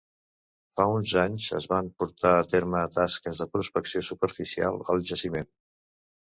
Fa uns anys es van portar a terme tasques de prospecció superficial al jaciment.